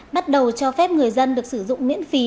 bắt đầu cho phép người dân được sử dụng miễn phí